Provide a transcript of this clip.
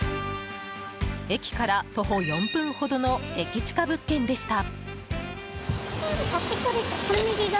駅から徒歩４分ほどの駅近物件でした。